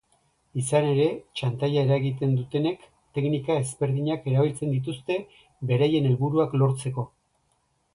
Izan ere, txantaia eragiten dutenek teknika ezberdinak erabiltzen dituzte beraien helburuak lortzeko.